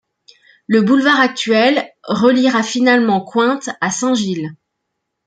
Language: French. Le boulevard actuel reliera finalement Cointe à Saint-Gilles.